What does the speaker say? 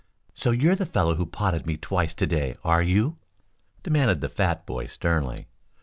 "So, you're the fellow who potted me twice to day, are you?" demanded the fat boy sternly.